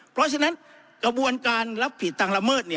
เพราะฉะนั้นกระบวนการรับผิดทางละเมิด